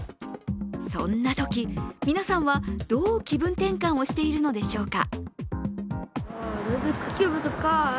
そんなとき、皆さんはどう気分転換をしているのでしょうか。